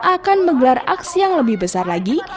akan menggelar aksi yang lebih besar lagi